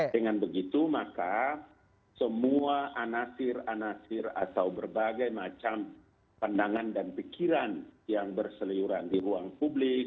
dengan begitu maka semua anasir anasir atau berbagai macam pandangan dan pikiran yang berseliuran di ruang publik